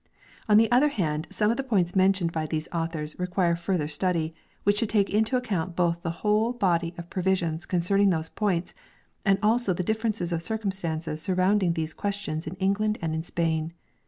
On the other hand some of the points mentioned by these authors require further study, which should take into account both the whole body of provisions concerning these points and also the differences of circumstances surrounding these questions in England and in Spain.